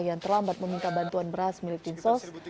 yang terlambat meminta bantuan beras milik tim sos